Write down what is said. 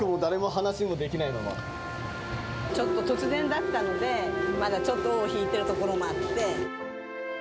ちょっと突然だったので、まだちょっと尾を引いてるところもあって。